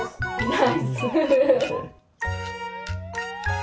ナイス。